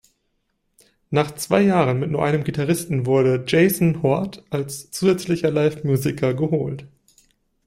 Nach zwei Jahren mit nur einem Gitarristen wurde Jason Hoard als zusätzlicher Live-Musiker geholt.